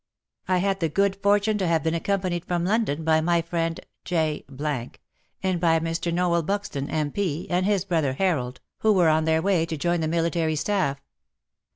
I had the good fortune to have been accom panied from London by my friend J and by Mr. Noel Buxton, M.P., and his brother Harold, 40 WAR AND WOMEN who were on their way to join the Military Staff.